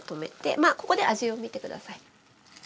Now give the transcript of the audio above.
まあここで味を見て下さい。